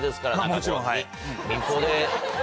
もちろんはい。